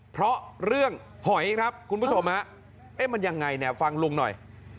เพราะเรื่องหอยครับคุณผู้โสมะมันยังไงฟังลุงหน่อย